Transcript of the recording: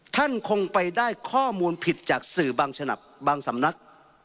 ท่านคงไปได้ข้อมูลผิดจากสื่อบางฉนับบางสำนัก